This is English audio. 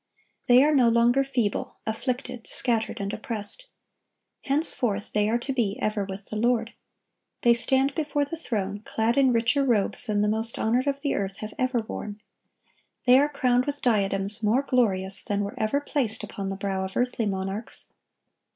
(1129) They are no longer feeble, afflicted, scattered, and oppressed. Henceforth they are to be ever with the Lord. They stand before the throne clad in richer robes than the most honored of the earth have ever worn. They are crowned with diadems more glorious than were ever placed upon the brow of earthly monarchs.